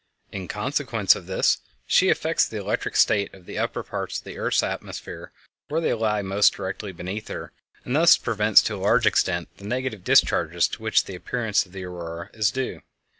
In consequence of this she affects the electric state of the upper parts of the earth's atmosphere where they lie most directly beneath her, and thus prevents, to a large extent, the negative discharges to which the appearance of the Aurora is due.